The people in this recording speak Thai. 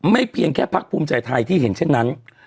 เพียงแค่พักภูมิใจไทยที่เห็นเช่นนั้น